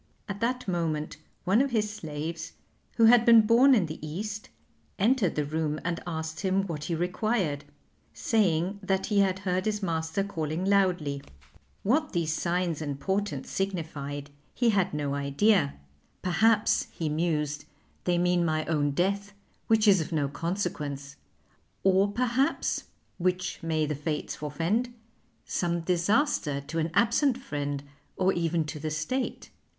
At that moment one of his slaves, who had been born in the East, entered the room and asked him what he required, saying that he had heard his master calling loudly. What these signs and portents signified he had no idea; perhaps, he mused, they mean my own death, which is of no consequence; or perhaps which may the Fates forfend some disaster to an absent friend or even to the State.